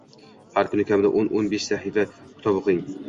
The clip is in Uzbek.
Har kuni kamida o'n-o'n besh sahifa kitob o‘qing.